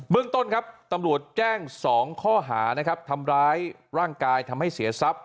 เมืองต้นครับตำรวจแจ้ง๒ข้อหานะครับทำร้ายร่างกายทำให้เสียทรัพย